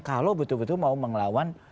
kalau betul betul mau mengelawan